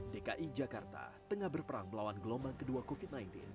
dki jakarta tengah berperang melawan gelombang kedua covid sembilan belas